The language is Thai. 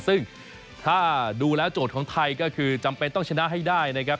ซึ่งถ้าดูแล้วโจทย์ของไทยก็คือจำเป็นต้องชนะให้ได้นะครับ